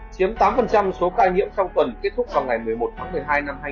chiếm tám số ca nhiễm trong tuần kết thúc vào ngày một mươi một tháng một mươi hai năm hai nghìn hai mươi